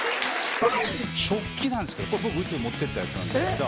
食器なんですけどこれ僕宇宙持ってったやつなんですけど。